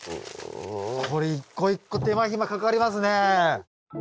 これ一個一個手間暇かかりますね。